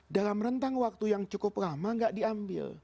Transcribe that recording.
dalam rentang waktu yang cukup lama tidak diambil